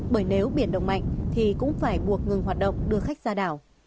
bởi nếu biển động mạnh thì cũng phải buộc ngừng hoạt động đưa khách ra đảo